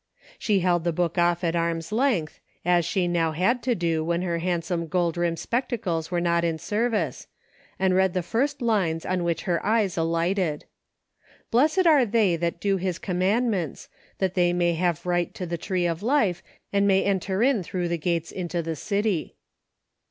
'' She held the book off at arm's length, as she now had to do, when her handsome gold rimmed spectacles were not in service, and read the first lines on which her eyes alighted. " Blessed are they that do His commandments, that they may have right to the tree of life, and may enter in through the gates into the city."